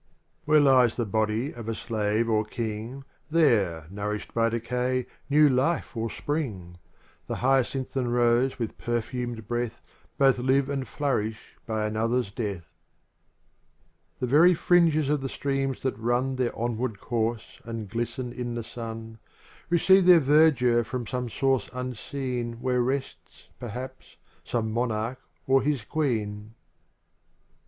21 — Digitized byGoOgle Original from UNIVERSITY OF MICHIGAN 16 XIX Where lies the body of a slave or king, There, nourished by decay, new life will spring ; The hyacinth and rose with perfumed breath Both live and flourish by another's death. The very fringes of the streams that run Their onward course and glisten in the sun. Receive their verdure from some source unseen Where rests, perhaps, some monarch or his queen.